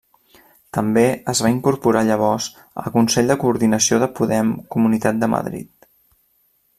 També es va incorporar llavors al Consell de Coordinació de Podem Comunitat de Madrid.